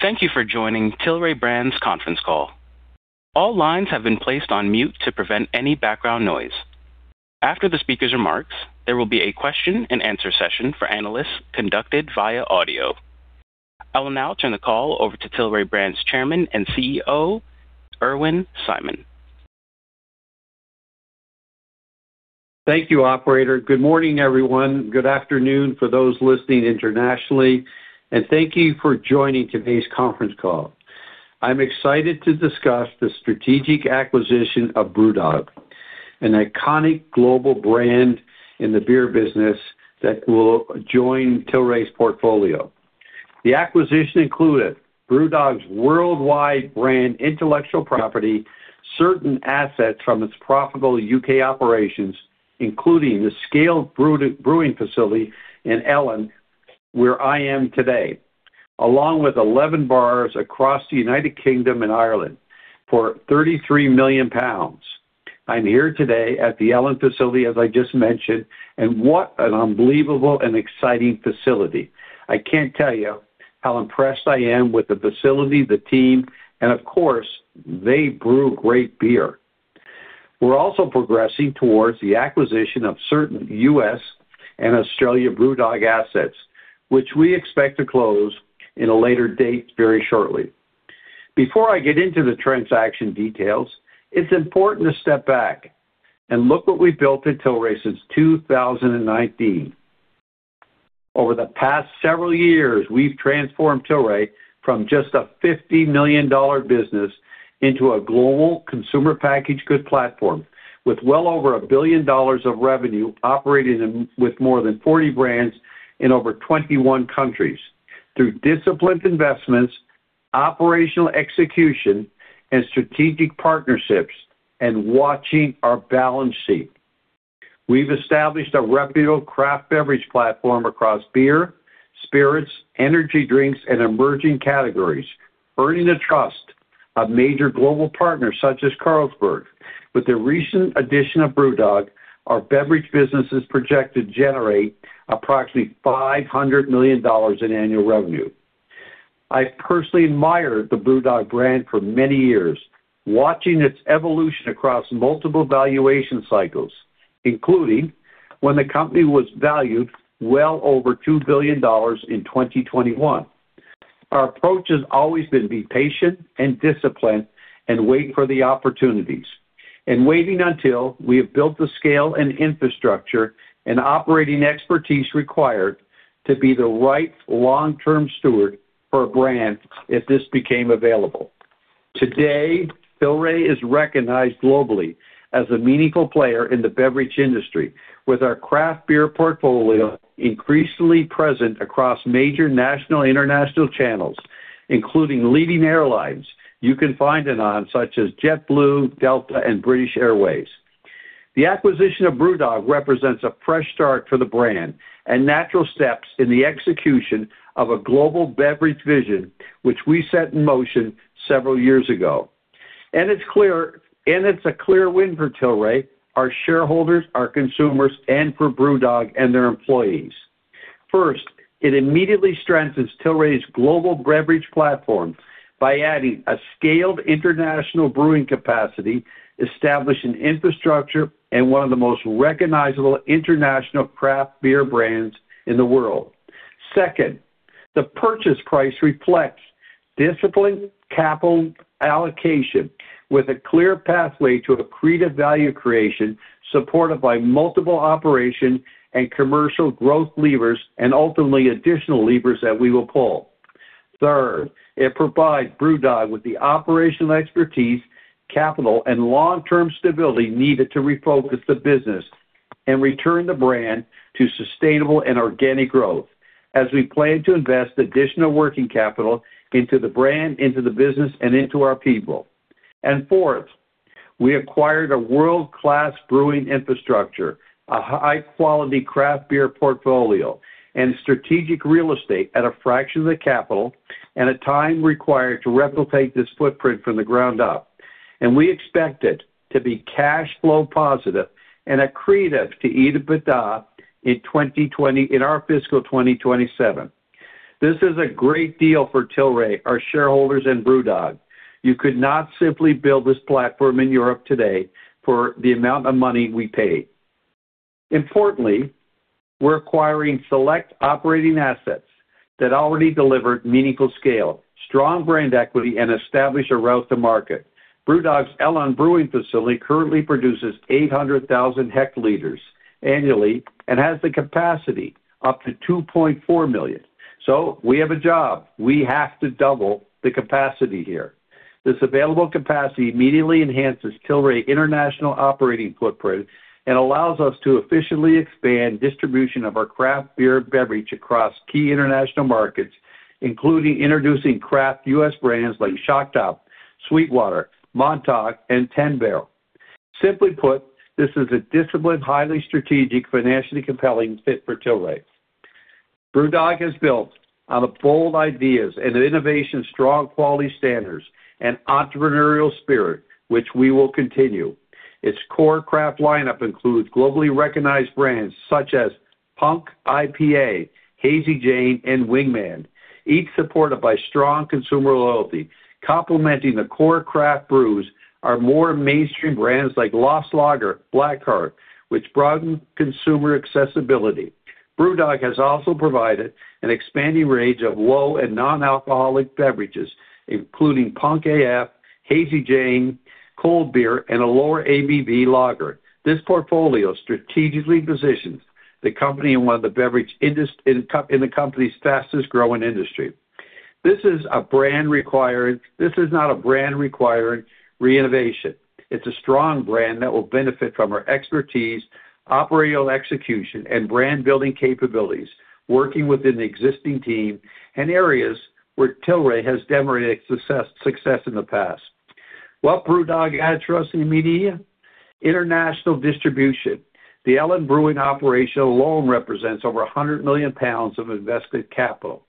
Thank you for joining Tilray Brands conference call. All lines have been placed on mute to prevent any background noise. After the speaker's remarks, there will be a question-and-answer session for analysts conducted via audio. I will now turn the call over to Tilray Brands' Chairman and CEO, Irwin Simon. Thank you, operator. Good morning, everyone. Good afternoon for those listening internationally, and thank you for joining today's conference call. I'm excited to discuss the strategic acquisition of BrewDog, an iconic global brand in the beer business that will join Tilray's portfolio. The acquisition included BrewDog's worldwide brand intellectual property, certain assets from its profitable U.K. operations, including the scaled brewing facility in Ellon where I am today, along with 11 bars across the United Kingdom and Ireland for 33 million pounds. I'm here today at the Ellon facility, as I just mentioned, and what an unbelievable and exciting facility. I can't tell you how impressed I am with the facility, the team, and of course, they brew great beer. We're also progressing towards the acquisition of certain U.S. and Australia BrewDog assets, which we expect to close in a later date very shortly. Before I get into the transaction details, it's important to step back and look what we built at Tilray since 2019. Over the past several years, we've transformed Tilray from just a $50 million business into a global consumer packaged goods platform with well over $1 billion of revenue, operating with more than 40 brands in over 21 countries. Through disciplined investments, operational execution, and strategic partnerships and watching our balance sheet. We've established a reputable craft beverage platform across beer, spirits, energy drinks, and emerging categories, earning the trust of major global partners such as Carlsberg. With the recent addition of BrewDog, our beverage business is projected to generate approximately $500 million in annual revenue. I personally admired the BrewDog brand for many years, watching its evolution across multiple valuation cycles, including when the company was valued well over $2 billion in 2021. Our approach has always been be patient and disciplined and wait for the opportunities, waiting until we have built the scale and infrastructure and operating expertise required to be the right long-term steward for a brand if this became available. Today, Tilray is recognized globally as a meaningful player in the beverage industry, with our craft beer portfolio increasingly present across major national and international channels, including leading airlines you can find it on, such as JetBlue, Delta, and British Airways. The acquisition of BrewDog represents a fresh start for the brand and natural steps in the execution of a global beverage vision, which we set in motion several years ago. It's a clear win for Tilray, our shareholders, our consumers, and for BrewDog and their employees. First, it immediately strengthens Tilray's global beverage platform by adding a scaled international brewing capacity, establishing infrastructure, and one of the most recognizable international craft beer brands in the world. Second, the purchase price reflects disciplined capital allocation with a clear pathway to accretive value creation, supported by multiple operation and commercial growth levers and ultimately additional levers that we will pull. Third, it provides BrewDog with the operational expertise, capital, and long-term stability needed to refocus the business and return the brand to sustainable and organic growth as we plan to invest additional working capital into the brand, into the business, and into our people. Fourth, we acquired a world-class brewing infrastructure, a high-quality craft beer portfolio, and strategic real estate at a fraction of the capital and a time required to replicate this footprint from the ground up. We expect it to be cash flow positive and accretive to EBITDA in our fiscal 2027. This is a great deal for Tilray, our shareholders, and BrewDog. You could not simply build this platform in Europe today for the amount of money we paid. Importantly, we're acquiring select operating assets that already deliver meaningful scale, strong brand equity, and establish a route to market. BrewDog's Ellon brewing facility currently produces 800,000 hectoliters annually and has the capacity up to 2.4 million. We have a job. We have to double the capacity here. This available capacity immediately enhances Tilray's international operating footprint and allows us to efficiently expand distribution of our craft beer beverage across key international markets, including introducing craft U.S. brands like Shock Top, SweetWater, Montauk, and 10 Barrel. Simply put, this is a disciplined, highly strategic, financially compelling fit for Tilray. BrewDog is built on the bold ideas and innovation, strong quality standards, and entrepreneurial spirit, which we will continue. Its core craft lineup includes globally recognized brands such as Punk IPA, Hazy Jane, and Wingman, each supported by strong consumer loyalty. Complementing the core craft brews are more mainstream brands like Lost Lager, Black Heart, which broaden consumer accessibility. BrewDog has also provided an expanding range of low and non-alcoholic beverages, including Punk AF, Hazy Jane, Cold Beer, and a lower ABV lager. This portfolio strategically positions the company in the company's fastest-growing industry. This is not a brand requiring reinvention. It's a strong brand that will benefit from our expertise, operational execution, and brand-building capabilities, working within the existing team in areas where Tilray has demonstrated success in the past. What BrewDog adds immediately? International distribution. The Ellon Brewing operation alone represents over 100 million pounds of invested capital.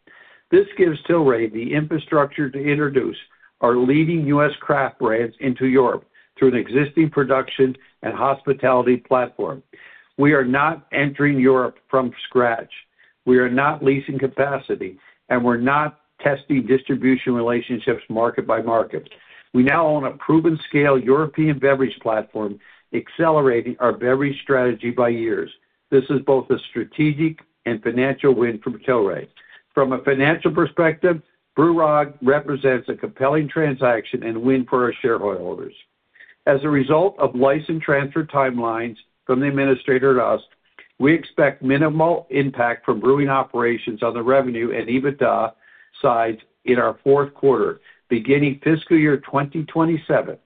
This gives Tilray the infrastructure to introduce our leading U.S. craft brands into Europe through an existing production and hospitality platform. We are not entering Europe from scratch. We are not leasing capacity, and we're not testing distribution relationships market by market. We now own a proven scale European beverage platform, accelerating our beverage strategy by years. This is both a strategic and financial win for Tilray. From a financial perspective, BrewDog represents a compelling transaction and win for our shareholders. As a result of license transfer timelines from the administrator to us, we expect minimal impact from brewing operations on the revenue and EBITDA sides in our fourth quarter. Beginning fiscal year 2027,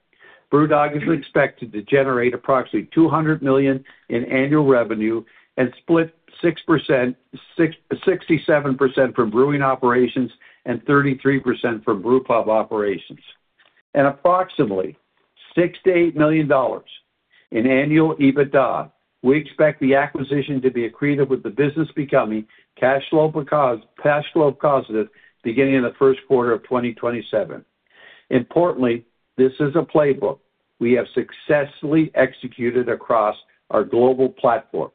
BrewDog is expected to generate approximately $200 million in annual revenue and split 67% from brewing operations and 33% from brewpub operations. At approximately $6 million-$8 million in annual EBITDA, we expect the acquisition to be accretive, with the business becoming cash flow positive beginning in the first quarter of 2027. Importantly, this is a playbook we have successfully executed across our global platform,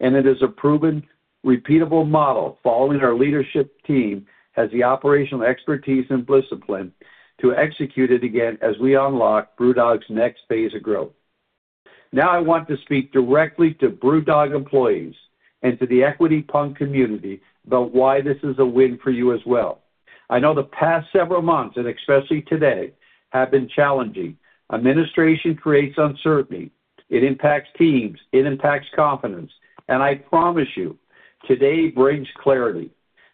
and it is a proven, repeatable model following our leadership team has the operational expertise and discipline to execute it again as we unlock BrewDog's next phase of growth. I want to speak directly to BrewDog employees and to the Equity Punk community about why this is a win for you as well. I know the past several months, and especially today, have been challenging. Administration creates uncertainty, it impacts teams, it impacts confidence, and I promise you, today brings clarity.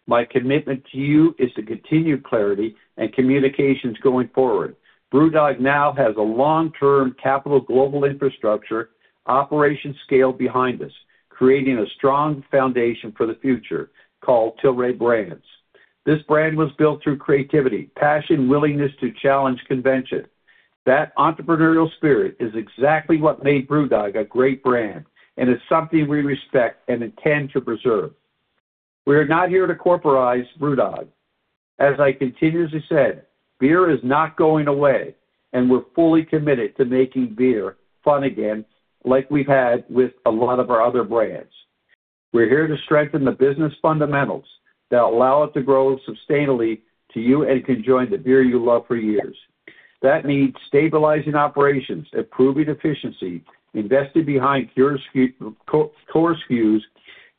My commitment to you is to continued clarity and communications going forward. BrewDog now has a long-term capital global infrastructure operation scale behind us, creating a strong foundation for the future called Tilray Brands. This brand was built through creativity, passion, willingness to challenge convention. That entrepreneurial spirit is exactly what made BrewDog a great brand, and it's something we respect and intend to preserve. We are not here to corporatize BrewDog. As I continuously said, beer is not going away, and we're fully committed to making beer fun again, like we've had with a lot of our other brands. We're here to strengthen the business fundamentals that allow it to grow sustainably to you and can enjoy the beer you love for years. That means stabilizing operations, improving efficiency, investing behind core SKUs,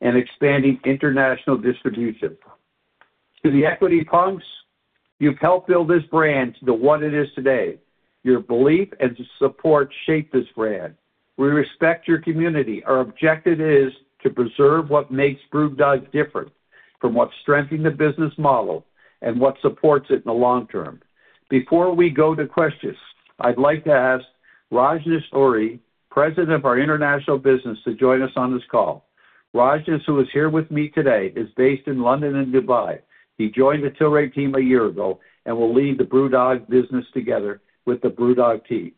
and expanding international distribution. To the Equity Punks, you've helped build this brand to what it is today. Your belief and support shape this brand. We respect your community. Our objective is to preserve what makes BrewDog different from what strengthened the business model and what supports it in the long term. Before we go to questions, I'd like to ask Rajnish Ohri, President of our international business, to join us on this call. Rajnish, who is here with me today, is based in London and Dubai. He joined the Tilray team a year ago and will lead the BrewDog business together with the BrewDog team.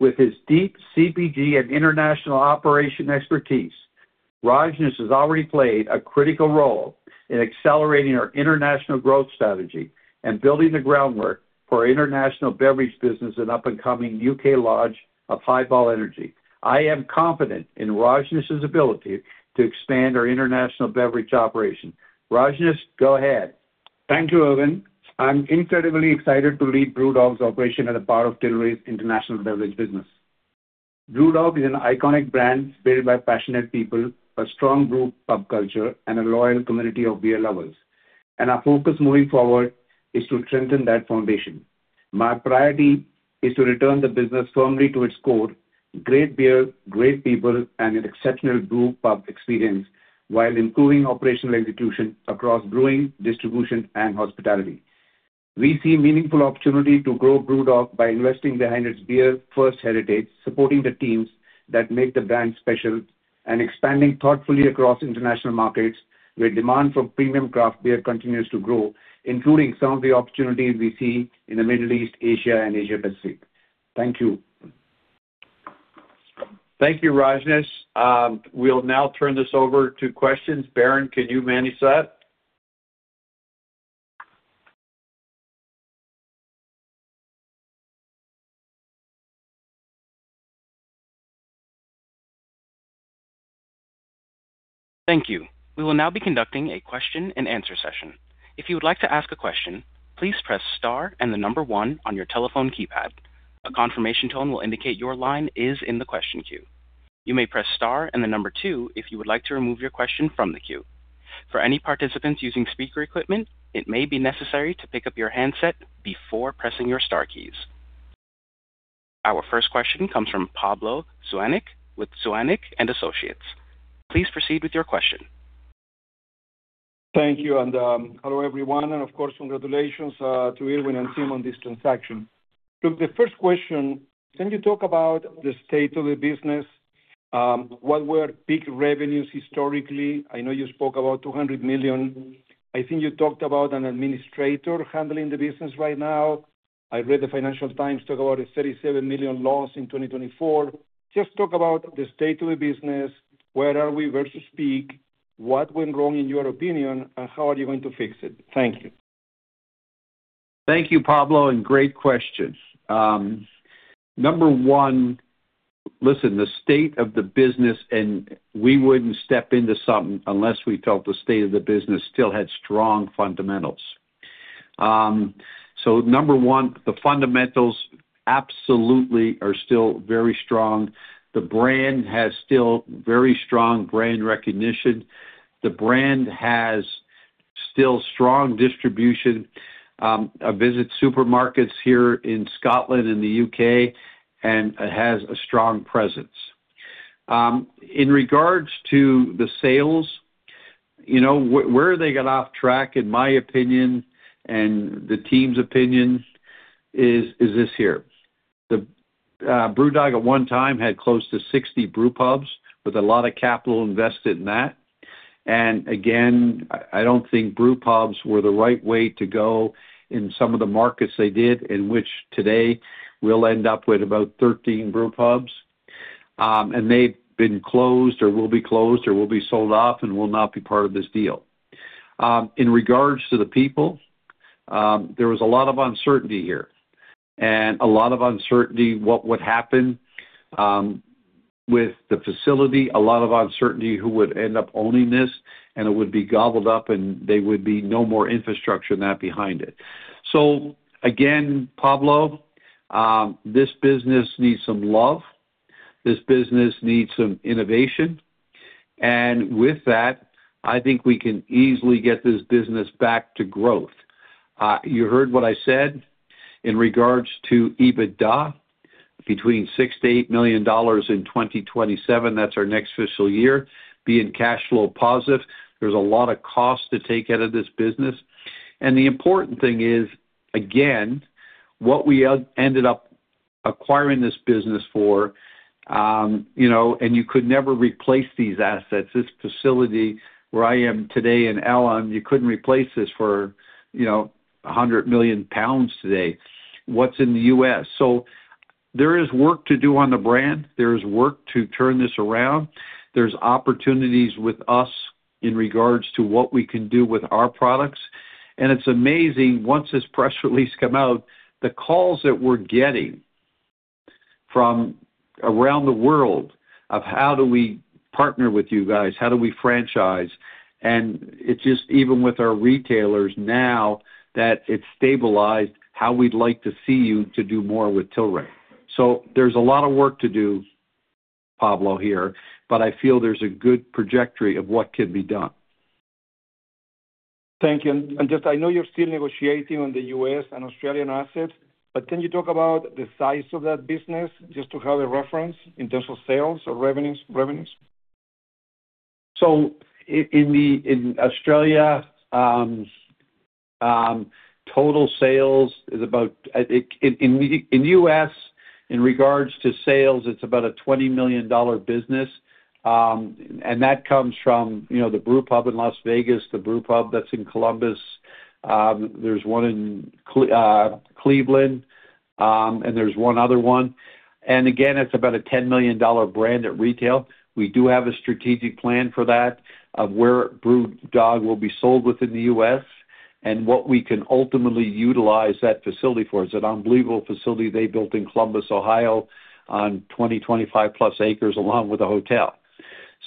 With his deep CPG and international operation expertise, Rajnish has already played a critical role in accelerating our international growth strategy and building the groundwork for our international beverage business in up-and-coming U.K. launch of HiBall Energy. I am confident in Rajnish's ability to expand our international beverage operation. Rajnish, go ahead. Thank you, Irwin. I'm incredibly excited to lead BrewDog's operation as a part of Tilray's international beverage business. BrewDog is an iconic brand built by passionate people, a strong brewpub culture, and a loyal community of beer lovers. Our focus moving forward is to strengthen that foundation. My priority is to return the business firmly to its core, great beer, great people, and an exceptional brewpub experience while improving operational execution across brewing, distribution, and hospitality. We see meaningful opportunity to grow BrewDog by investing behind its beer-first heritage, supporting the teams that make the brand special, and expanding thoughtfully across international markets where demand for premium craft beer continues to grow, including some of the opportunities we see in the Middle East, Asia, and Asia-Pacific. Thank you. Thank you, Rajnish. We'll now turn this over to questions. Baron, can you manage that? Thank you. We will now be conducting a question and answer session. If you would like to ask a question, please press star and the number one on your telephone keypad. A confirmation tone will indicate your line is in the question queue. You may press star and the number two if you would like to remove your question from the queue. For any participants using speaker equipment, it may be necessary to pick up your handset before pressing your star keys. Our first question comes from Pablo Zuanic with Zuanic & Associates. Please proceed with your question. Thank you, and hello, everyone, and of course, congratulations to Irwin Simon and team on this transaction. The first question, can you talk about the state of the business? What were peak revenues historically? I know you spoke about $200 million. I think you talked about an administrator handling the business right now. I read the Financial Times talk about a $37 million loss in 2024. Just talk about the state of the business, where are we versus peak, what went wrong in your opinion, and how are you going to fix it? Thank you. Thank you, Pablo. Great questions. Number one, listen, the state of the business and we wouldn't step into something unless we felt the state of the business still had strong fundamentals. Number one, the fundamentals absolutely are still very strong. The brand has still very strong brand recognition. The brand has still strong distribution. I visit supermarkets here in Scotland and the U.K., and it has a strong presence. In regards to the sales, you know, where they got off track, in my opinion and the team's opinion, is this here. BrewDog at one time had close to 60 brew pubs with a lot of capital invested in that. Again, I don't think brew pubs were the right way to go in some of the markets they did, in which today we'll end up with about 13 brew pubs. They've been closed or will be closed or will be sold off and will not be part of this deal. In regards to the people, there was a lot of uncertainty here, and a lot of uncertainty what would happen with the facility, a lot of uncertainty who would end up owning this, and it would be gobbled up, and there would be no more infrastructure than that behind it. Again, Pablo, this business needs some love. This business needs some innovation. With that, I think we can easily get this business back to growth. You heard what I said in regards to EBITDA, between $6 million-$8 million in 2027, that's our next fiscal year, being cash flow positive. There's a lot of cost to take out of this business. The important thing is, again, what we ended up acquiring this business for, you know, and you could never replace these assets, this facility where I am today in Ellon, you couldn't replace this for, you know, 100 million pounds today. What's in the U.S.? There is work to do on the brand. There is work to turn this around. There's opportunities with us in regards to what we can do with our products. It's amazing, once this press release come out, the calls that we're getting from around the world of how do we partner with you guys? How do we franchise? It's just even with our retailers now that it's stabilized, how we'd like to see you to do more with Tilray. There's a lot of work to do, Pablo, here, but I feel there's a good trajectory of what can be done. Thank you. Just I know you're still negotiating on the U.S. and Australian assets, but can you talk about the size of that business just to have a reference in terms of sales or revenues? In Australia, total sales is about, I think. In U.S., in regards to sales, it's about a $20 million business, and that comes from, you know, the brew pub in Las Vegas, the brew pub that's in Columbus. There's one in Cleveland, and there's one other one. Again, it's about a $10 million brand at retail. We do have a strategic plan for that, of where BrewDog will be sold within the U.S. and what we can ultimately utilize that facility for. It's an unbelievable facility they built in Columbus, Ohio, on 20, 25+ acres along with a hotel.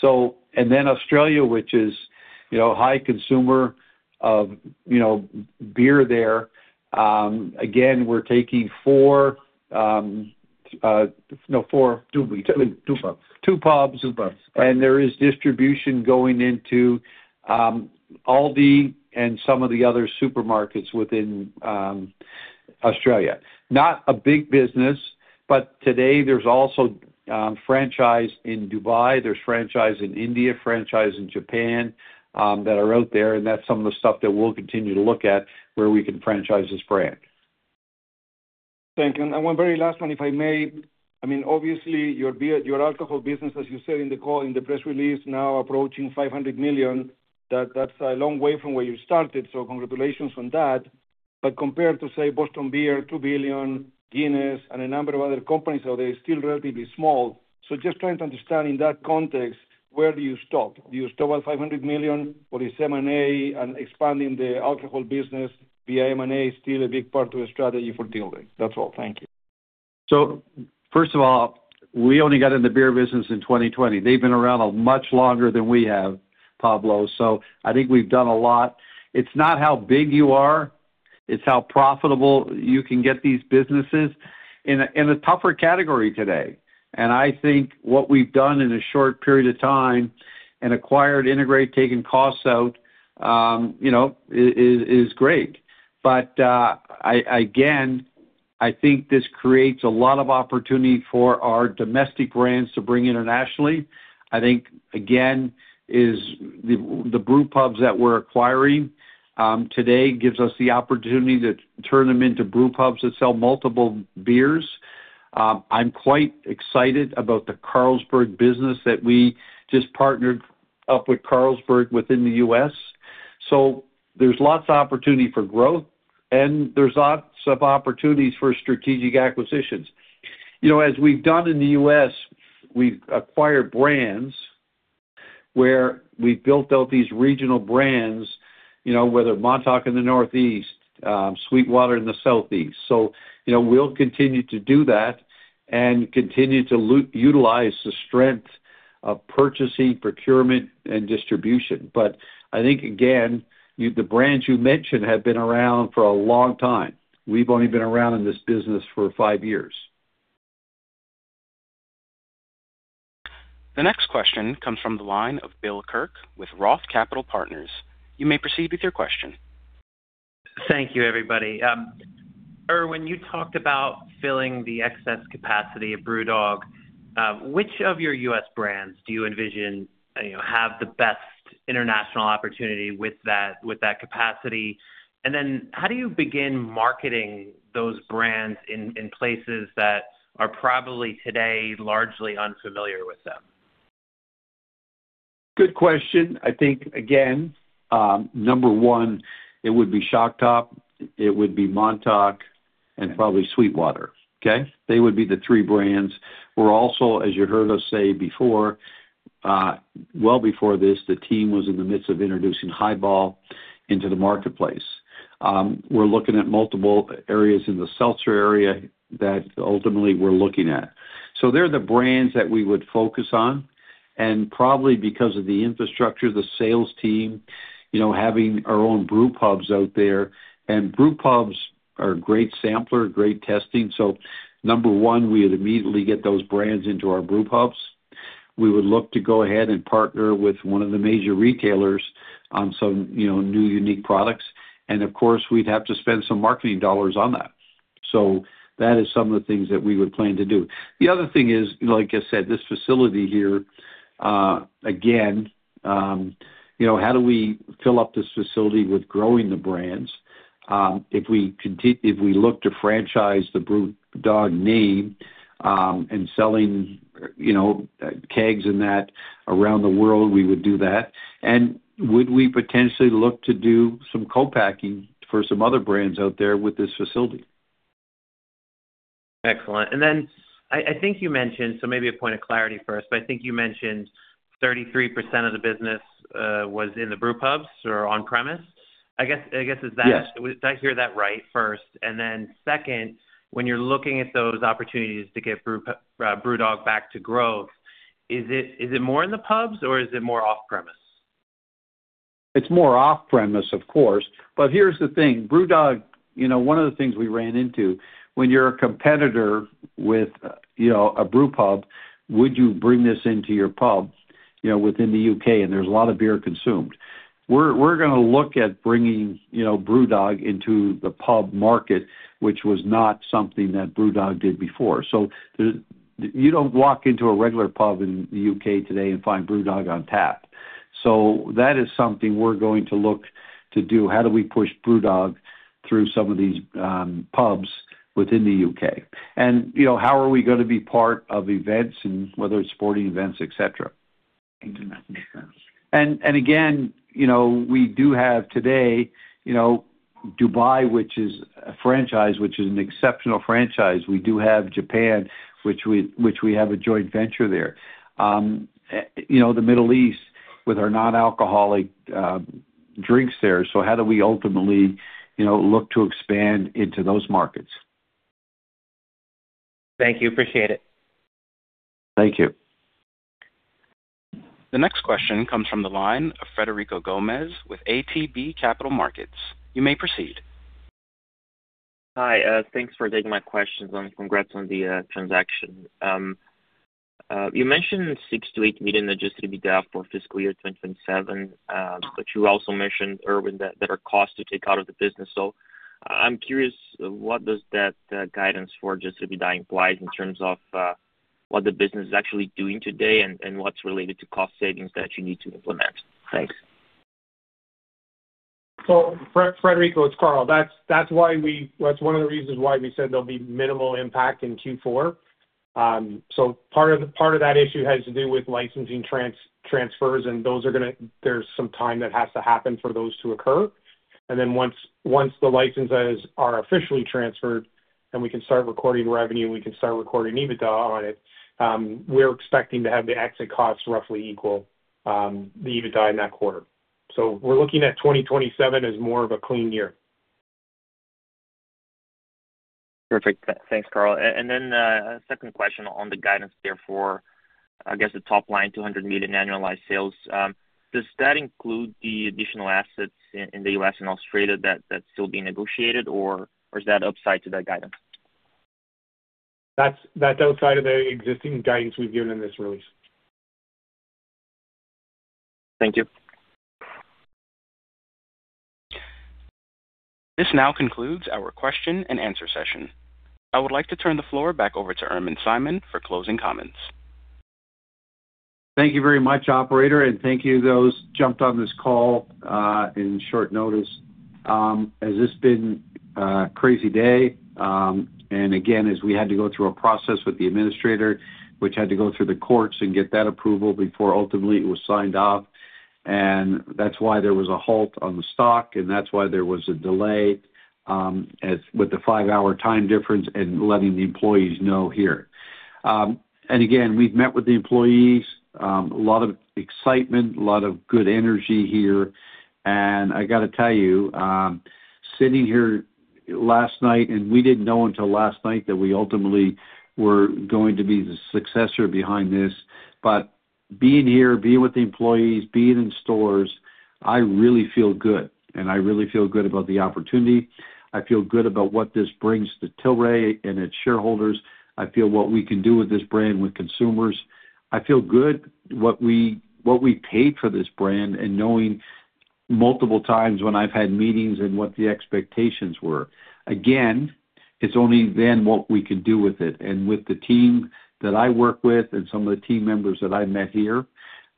And then Australia, which is, you know, high consumer of, you know, beer there. Again, we're taking four. Two pubs. Two pubs. Two pubs. There is distribution going into Aldi and some of the other supermarkets within Australia. Not a big business. Today there's also franchise in Dubai, there's franchise in India, franchise in Japan that are out there, and that's some of the stuff that we'll continue to look at where we can franchise this brand. Thank you. One very last one, if I may. I mean, obviously, your beer, your alcohol business, as you said in the call, in the press release, now approaching $500 million. That's a long way from where you started, so congratulations on that. Compared to, say, Boston Beer, $2 billion, Guinness and a number of other companies out there, you're still relatively small. Just trying to understand in that context, where do you stop? Do you stop at $500 million? What is M&A and expanding the alcohol business via M&A still a big part of the strategy for Tilray? That's all. Thank you. First of all, we only got in the beer business in 2020. They've been around much longer than we have, Pablo. I think we've done a lot. It's not how big you are, it's how profitable you can get these businesses in a tougher category today. I think what we've done in a short period of time and acquired, integrate, taken costs out, you know, is great. I, again, I think this creates a lot of opportunity for our domestic brands to bring internationally. I think, again, the brewpubs that we're acquiring today gives us the opportunity to turn them into brewpubs that sell multiple beers. I'm quite excited about the Carlsberg business that we just partnered up with Carlsberg within the U.S. There's lots of opportunity for growth, and there's lots of opportunities for strategic acquisitions. You know, as we've done in the U.S., we've acquired brands where we've built out these regional brands, you know, whether Montauk in the Northeast, SweetWater in the Southeast. You know, we'll continue to do that and continue to utilize the strength of purchasing, procurement, and distribution. I think again, the brands you mentioned have been around for a long time. We've only been around in this business for five years. The next question comes from the line of Bill Kirk with Roth Capital Partners. You may proceed with your question. Thank you, everybody. Irwin, you talked about filling the excess capacity of BrewDog. Which of your U.S. brands do you envision, you know, have the best international opportunity with that, with that capacity? Then how do you begin marketing those brands in places that are probably today largely unfamiliar with them? Good question. I think, again, 1, it would be Shock Top, it would be Montauk, probably SweetWater. Okay? They would be the three brands. We're also, as you heard us say before, well before this, the team was in the midst of introducing HiBall Energy into the marketplace. We're looking at multiple areas in the seltzer area that ultimately we're looking at. They're the brands that we would focus on, probably because of the infrastructure, the sales team, you know, having our own brewpubs out there. Brewpubs are a great sampler, great testing. One, we would immediately get those brands into our brewpubs. We would look to go ahead and partner with one of the major retailers on some, you know, new, unique products. Of course, we'd have to spend some marketing dollars on that. That is some of the things that we would plan to do. The other thing is, like I said, this facility here, again, you know, how do we fill up this facility with growing the brands? If we look to franchise the BrewDog name, and selling, you know, kegs and that around the world, we would do that. Would we potentially look to do some co-packing for some other brands out there with this facility? Excellent. Then I think you mentioned, so maybe a point of clarity first, but I think you mentioned 33% of the business was in the brewpubs or on premise. I guess, is that? Yes. Did I hear that right first? Second, when you're looking at those opportunities to get BrewDog back to growth, is it more in the pubs or is it more off-premise? It's more off-premise, of course. Here's the thing, BrewDog, you know, one of the things we ran into when you're a competitor with, you know, a brewpub, would you bring this into your pub, you know, within the U.K., and there's a lot of beer consumed. We're gonna look at bringing, you know, BrewDog into the pub market, which was not something that BrewDog did before. You don't walk into a regular pub in the U.K. today and find BrewDog on tap. That is something we're going to look to do. How do we push BrewDog through some of these pubs within the U.K.? You know, how are we gonna be part of events and whether it's sporting events, et cetera. Again, you know, we do have today, you know, Dubai, which is a franchise, which is an exceptional franchise. We do have Japan, which we have a joint venture there. You know, the Middle East with our non-alcoholic drinks there. How do we ultimately, you know, look to expand into those markets? Thank you. Appreciate it. Thank you. The next question comes from the line of Frederico Gomes with ATB Capital Markets. You may proceed. Hi. Thanks for taking my questions, and congrats on the transaction. You mentioned $6 million-$8 million adjusted EBITDA for fiscal year 2027. You also mentioned, Irwin, that there are costs to take out of the business. I'm curious, what does that guidance for adjusted EBITDA implies in terms of what the business is actually doing today and what's related to cost savings that you need to implement? Thanks. Federico, it's Carl. That's why we said there'll be minimal impact in Q4. Part of that issue has to do with licensing transfers, and those are there's some time that has to happen for those to occur. Then once the licenses are officially transferred, then we can start recording revenue, we can start recording EBITDA on it. We're expecting to have the exit costs roughly equal the EBITDA in that quarter. We're looking at 2027 as more of a clean year. Perfect. Thanks, Carl. A second question on the guidance there for, I guess, the top line $200 million annualized sales. Does that include the additional assets in the U.S. and Australia that's still being negotiated, or is that upside to that guidance? That's outside of the existing guidance we've given in this release. Thank you. This now concludes our question-and-answer session. I would like to turn the floor back over to Irwin Simon for closing comments. Thank you very much, operator. Thank you those jumped on this call in short notice. Has this been a crazy day. Again, as we had to go through a process with the administrator, which had to go through the courts and get that approval before ultimately it was signed off. That's why there was a halt on the stock, that's why there was a delay, as with the five-hour time difference in letting the employees know here. Again, we've met with the employees. A lot of excitement, a lot of good energy here. I got to tell you, sitting here last night, we didn't know until last night that we ultimately were going to be the successor behind this. Being here, being with the employees, being in stores, I really feel good, and I really feel good about the opportunity. I feel good about what this brings to Tilray and its shareholders. I feel what we can do with this brand, with consumers. I feel good what we paid for this brand and knowing multiple times when I've had meetings and what the expectations were. Again, it's only then what we can do with it. With the team that I work with and some of the team members that I met here,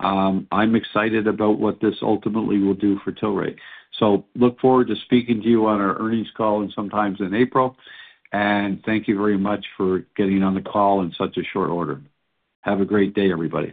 I'm excited about what this ultimately will do for Tilray. Look forward to speaking to you on our earnings call and sometimes in April. Thank you very much for getting on the call in such a short order. Have a great day, everybody.